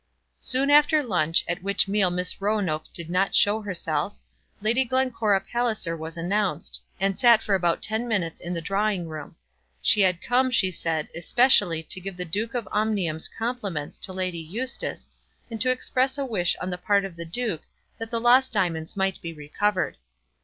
Soon after lunch, at which meal Miss Roanoke did not show herself, Lady Glencora Palliser was announced, and sat for about ten minutes in the drawing room. She had come, she said, especially to give the Duke of Omnium's compliments to Lady Eustace, and to express a wish on the part of the duke that the lost diamonds might be recovered.